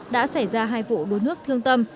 đã xảy ra hai vụ đuối nước thương tâm